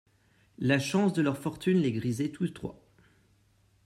La chance de leur fortune les grisait tous trois.